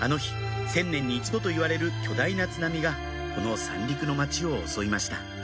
１０００年に一度といわれる巨大な津波がこの三陸の町を襲いました